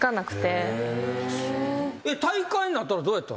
大会になったらどうやったんですか？